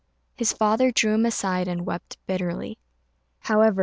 His father drew him aside and wept bitterly.